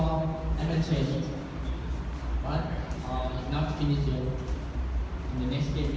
วันนี้ก็ถือว่าเป็นเกมที่สนุกนะครับ